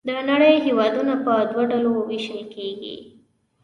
د نړۍ هېوادونه په دوه ډلو ویشل کیږي.